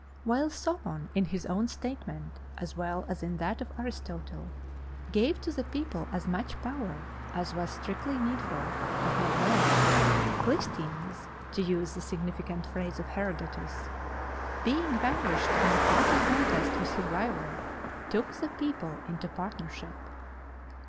While Solon, in his own statement as well as in that of Aristotle, gave to the people as much power as was strictly needful but no more Clisthenes (to use the significant phrase of Herodotus), "being vanquished in the party contest with his rival, took the people into partnership."